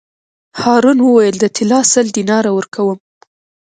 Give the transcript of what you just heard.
هارون وویل: د طلا سل دیناره ورکووم.